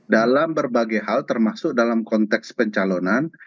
dalam berbagai hal termasuk dalam konteks pencalonan